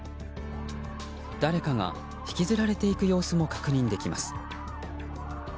誰かが引きずられていく様子も確認できます。